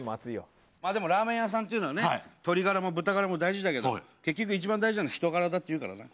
ラーメン屋さんというのは鶏ガラも豚ガラも大事だけど結局一番大事なのは人柄だというからね。